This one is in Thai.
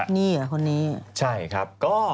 นี่เหรอครับใช่ครับก็